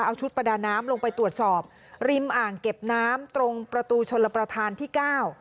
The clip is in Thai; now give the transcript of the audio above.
เอาชุดประดาน้ำลงไปตรวจสอบริมอ่างเก็บน้ำตรงประตูชนระประธานที่เก้า